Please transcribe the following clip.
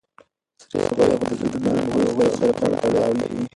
سرې غوښې د زړه ناروغۍ سره هم تړاو لري.